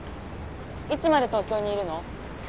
いつまで東京にいるの？